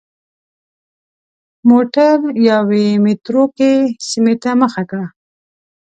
موټر یوې متروکې سیمې ته مخه کړه.